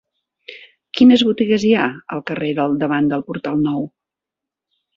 Quines botigues hi ha al carrer del Davant del Portal Nou?